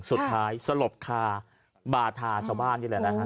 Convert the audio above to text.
สุดท้ายสลบค่าบาทาชาวบ้านนี่แหละนะครับ